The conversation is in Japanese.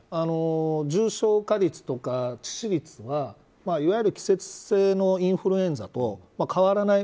重症化率とか致死率はいわゆる季節性のインフルエンザと変わらない。